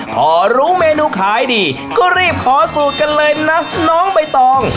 พอรู้เมนูขายดีก็รีบขอสูตรกันเลยนะน้องใบตอง